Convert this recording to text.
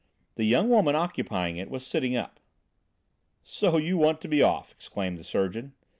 The young woman occupying it was sitting up. "So you want to be off," exclaimed the surgeon.